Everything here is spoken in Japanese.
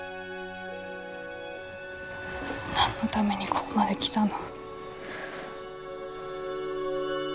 何のためにここまで来たの。